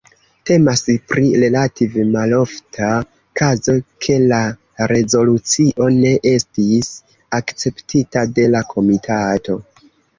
Temas pri relative malofta kazo ke la rezolucio ne estis akceptita de la komitato.